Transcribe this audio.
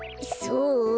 そう？